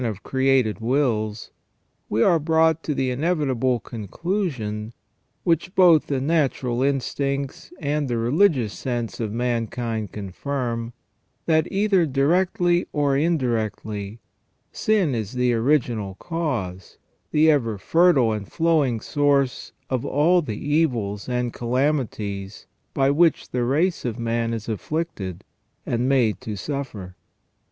221 of created wills, we are brought to the inevitable conclusion, which both the natural instincts and the religious sense of mankind confirm, that, either directly or indirectly, sin is the original cause, the ever fertile and flowing source of all the evils and calamities by which the race of man is afflicted and made to suffer.